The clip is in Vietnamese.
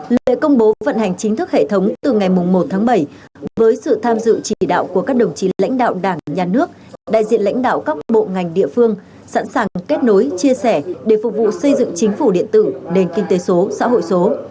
lễ công bố vận hành chính thức hệ thống từ ngày một tháng bảy với sự tham dự chỉ đạo của các đồng chí lãnh đạo đảng nhà nước đại diện lãnh đạo các bộ ngành địa phương sẵn sàng kết nối chia sẻ để phục vụ xây dựng chính phủ điện tử nền kinh tế số xã hội số